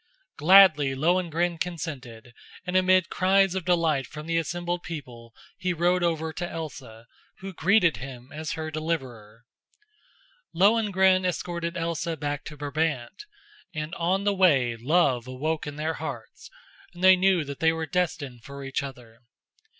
Gladly Lohengrin consented, and amid cries of delight from the assembled people he rode over to Elsa, who greeted him as her deliverer. Lohengrin escorted Elsa back to Brabant, and on the way love awoke in their hearts, and they knew that they were destined for each other.